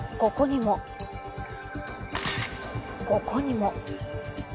ここにも。